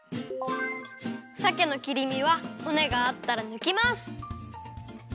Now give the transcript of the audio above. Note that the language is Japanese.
さけの切り身はほねがあったらぬきます。